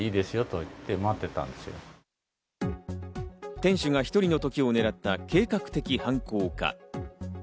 店主が１人の時を狙った計画的犯行か？